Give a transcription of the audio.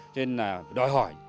cho nên là đòi hỏi